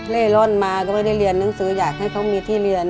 ร่อนมาก็ไม่ได้เรียนหนังสืออยากให้เขามีที่เรียน